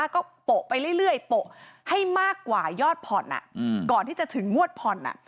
ก็โปะไปเรื่อยโปะให้มากกว่ายอดผ่อนก่อนที่จะถึงงวดผ่อน